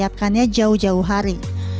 siapkannya jauh jauh hari